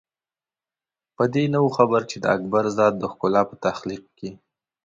په دې نه وو خبر چې د اکبر ذات د ښکلا په تخلیق کې.